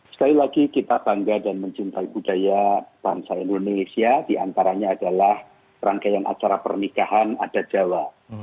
sekali lagi kita bangga dan mencintai budaya bangsa indonesia diantaranya adalah rangkaian acara pernikahan adat jawa